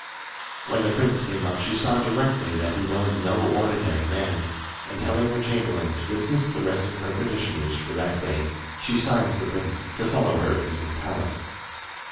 When the prince came up she saw directly that he was no ordinary man, and telling her chamberlain to dismiss the rest of her petitioners for that day, she signed to the prince to follow her into the palace.